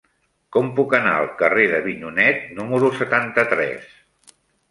Com puc anar al carrer d'Avinyonet número setanta-tres?